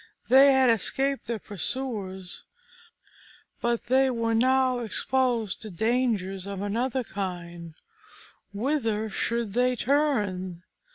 They had escaped their pursuers, but they were now exposed to dangers of another kind: whither should they turn?